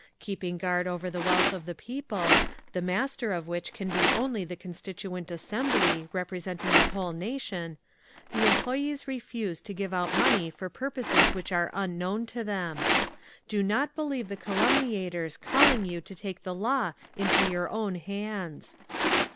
"Keeping guard over the wealth of the people, the master of which can be only the Constituent Assembly, representing the whole nation, the employees refuse to give out money for purposes which are unknown to them. "DO NOT BELIEVE THE CALUMNIATORS CALLING YOU TO TAKE THE LAW INTO YOUR OWN HANDS!"